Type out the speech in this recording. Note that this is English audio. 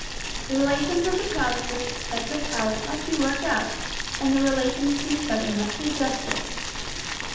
The relations of the provinces to the federal power must be worked out and their relations to each other must be adjusted.